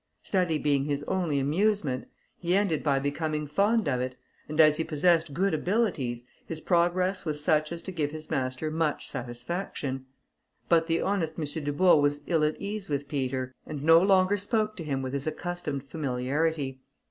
Study being his only amusement, he ended by becoming fond of it: and as he possessed good abilities, his progress was such as to give his master much satisfaction. But the honest M. Dubourg was ill at ease with Peter, and no longer spoke to him with his accustomed familiarity.